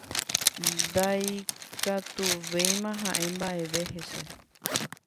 Ndaikatuvéima ha'e mba'eve hese.